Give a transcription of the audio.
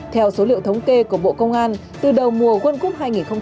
theo số liệu thống kê của bộ công an từ đầu mùa quân cúp hai nghìn hai mươi hai